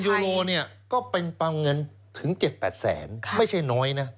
๒๐๐๐๐ยูโรก็เป็นเงินถึง๗๐๐๐๐๐๘๐๐บาทไม่ใช่น้อยนะ